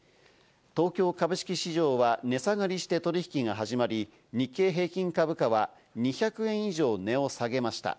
東京株式市場は値下がりして取引が始まり、日経平均株価は一時２００円以上値を下げました。